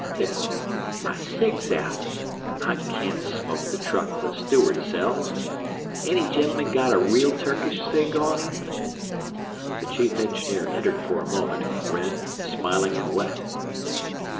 Piff! My cig's out. I can't smoke the truck the steward sells. Any gen'elman got a real Turkish cig on him?" The chief engineer entered for a moment, red, smiling, and wet.